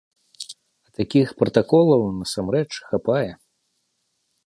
А такіх пратаколаў, насамрэч, хапае.